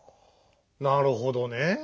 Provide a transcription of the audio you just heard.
なるほどねぇ。